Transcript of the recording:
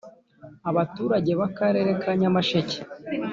Abaturage b’akarere ka Nyamasheke